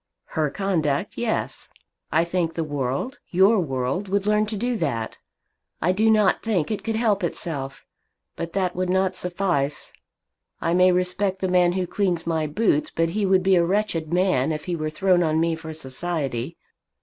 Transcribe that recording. "Her conduct, yes. I think the world, your world, would learn to do that. I do not think it could help itself. But that would not suffice. I may respect the man who cleans my boots. But he would be a wretched man if he were thrown on me for society.